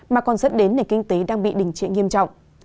mà còn dẫn đến nền kinh tế đang bị đình trệ nghiêm trọng